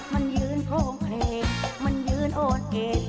มันยืนโครงเพลงมันยืนอ่อนแอ